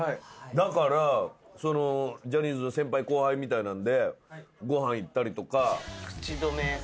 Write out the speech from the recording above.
だからジャニーズの先輩後輩みたいなのでご飯行ったりとか。